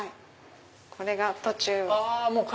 これが途中経過。